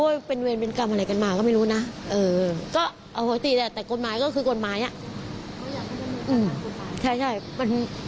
สวัสดีครับ